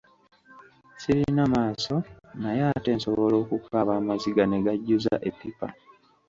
Sirina maaso naye ate nsobola okukaaba amaziga ne gajjuza eppipa.